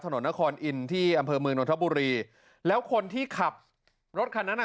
ถนนนครอินที่อำเภอเมืองนทบุรีแล้วคนที่ขับรถคันนั้นอ่ะ